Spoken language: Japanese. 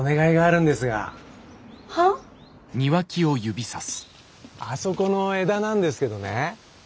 は？あそこの枝なんですけどね